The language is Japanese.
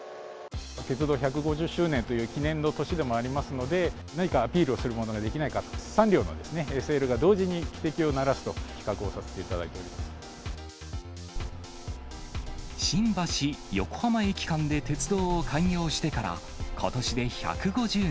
鉄道１５０周年という記念の年でもありますので、何かアピールをするものができないか、３両のＳＬが同時に汽笛を鳴らすという企画をさせていただいてお新橋・横浜駅間で鉄道を開業してから、ことしで１５０年。